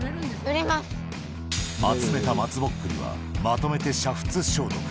集めた松ぼっくりは、まとめて煮沸消毒。